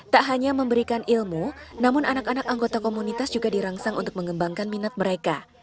tak hanya memberikan ilmu namun anak anak anggota komunitas juga dirangsang untuk mengembangkan minat mereka